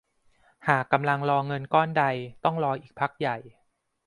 หากกำลังรอเงินก้อนใดต้องรออีกพักใหญ่